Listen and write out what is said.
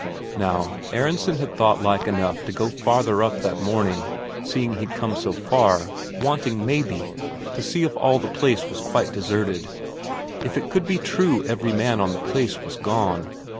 Now, Aronsen had thought like enough to go farther up that morning, seeing he'd come so far, wanting, maybe, to see if all the place was quite deserted, if it could be true every man on the place was gone.